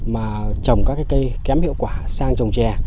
mà trồng các cây kém hiệu quả sang trồng chè